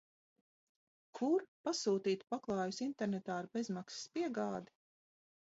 Kur pasūtīt paklājus internetā ar bezmaksas piegādi?